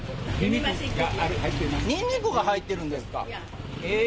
ニンニクが入ってるんですか？